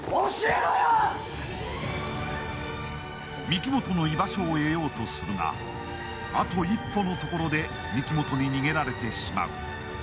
御木本の居場所を得ようとするが、あと一歩のところで御木本に逃げられてしまう。